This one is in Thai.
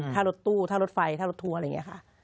ถ้ารถตู้ถ้ารถไฟถ้ารถทัวร์อะไรอย่างนี้ค่ะ